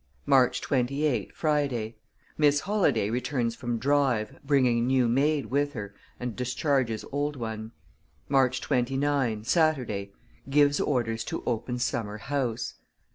March 28, Friday Miss Holladay returns from drive, bringing new maid with her and discharges old one. March 29, Saturday Gives orders to open summer house.